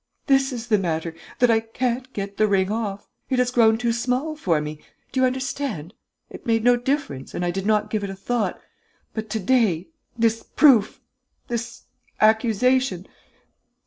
This is the matter, that I can't get the ring off! It has grown too small for me!... Do you understand?... It made no difference and I did not give it a thought.... But to day ... this proof ... this accusation....